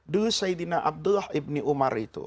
dulu sayyidina abdullah ibni umar itu